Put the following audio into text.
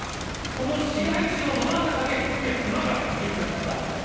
この市街地のど真ん中で昨夜、クマが目撃されました。